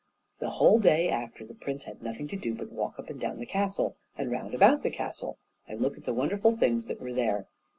The whole day after the prince had nothing to do but walk up and down the castle, and round about the castle, and look at the wonderful things that were there.